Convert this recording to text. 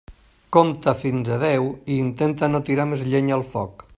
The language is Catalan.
Compta fins a deu i intenta no tirar més llenya al foc.